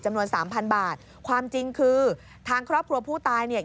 จำนวนสามพันบาทความจริงคือทางครอบครัวผู้ตายเนี่ย